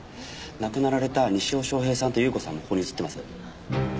亡くなられた西尾昌平さんと優子さんもここに写ってます。